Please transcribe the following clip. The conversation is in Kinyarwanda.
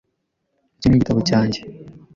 Icyo ni igitabo cya njye .